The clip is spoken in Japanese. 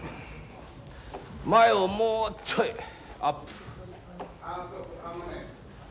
前をもうちょいアップ。